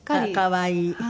可愛い。